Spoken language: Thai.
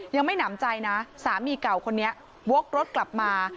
ยังไม่หนำใจนะสามีเก่าคนนี้วกรถกลับมา